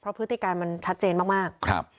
เพราะพฤติการณ์มันชัดเจนมาก